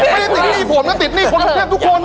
ไม่ได้ติดที่นี่ผมติดที่คนอัศวินศาสตร์ทุกคน